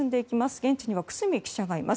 現地には久須美記者がいます。